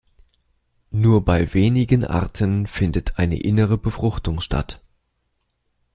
Nur bei wenigen Arten findet eine innere Befruchtung statt.